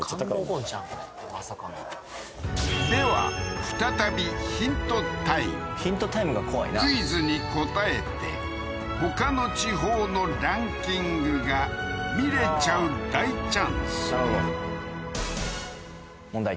これまさかのでは再びヒントタイムが怖いなクイズに答えてほかの地方のランキングが見れちゃう大チャンスなるほど問題